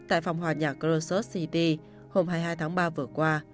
tại phòng hòa nhạc krocus city hôm hai mươi hai tháng ba vừa qua